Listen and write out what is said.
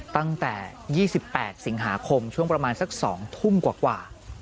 ตั้งแต่๒๘สิงหาคมช่วงประมาณสัก๒ทุ่มกว่า